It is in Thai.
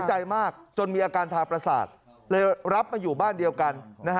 ใจมากจนมีอาการทางประสาทเลยรับมาอยู่บ้านเดียวกัน